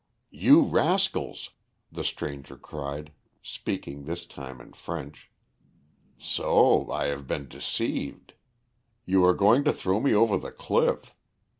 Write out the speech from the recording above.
"You rascals," the stranger cried, speaking this time in French. "So I have been deceived. You are going to throw me over the cliff.